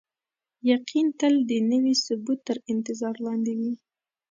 یقین تل د نوي ثبوت تر انتظار لاندې وي.